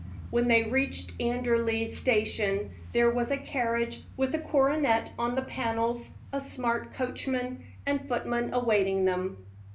When they reached Anderley station, there was a carriage with a coronet on the panels, a smart coachman and footman awaiting them.